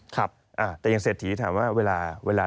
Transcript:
แต่ยังเศรษฐีถามว่า